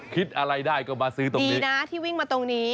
คิดอะไรได้ก็มาซื้อตรงนี้นะที่วิ่งมาตรงนี้